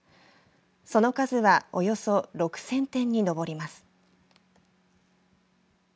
その数はおよそ６０００点に上ります。